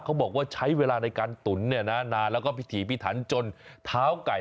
เขาบอกว่าใช้เวลาในการตุ๋นนานแล้วก็พิถีพิธรรมจนเท้าไก่